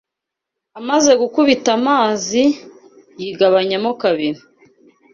Amaze gukubita amazi, yigabanyamo kabiri